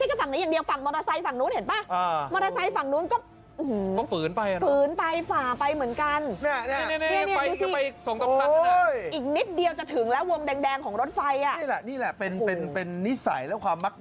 อธิบายเหมือนกันเนี่ยได้อย่างงี้แค่ไปส่งต้องกันแล้วเหรอก็ออย่างนึกเดี๋ยวจะถึงแล้ววงแดงของรถไฟอ่ะนี่แหละเป็นเป็นเป็นความ